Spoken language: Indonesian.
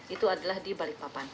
itu adalah di balik papan